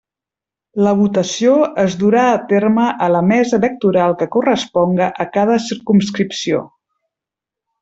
La votació es durà a terme a la Mesa Electoral que corresponga a cada circumscripció.